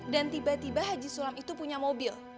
dan tiba tiba haji sulam itu punya mobil